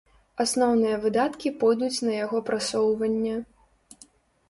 Асноўныя выдаткі пойдуць на яго прасоўванне.